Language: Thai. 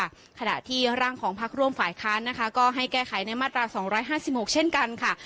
ขณะที่ร่างของพักร่วมฝ่ายค้านนะคะก็ให้แก้ไขในมาตราสองร้อยห้าสิบหกเช่นกันค่ะ